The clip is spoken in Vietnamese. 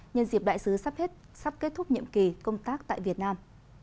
nhân dịp đại sứ sapect sắp kết thúc nhiệm kỳ công tác tại việt nam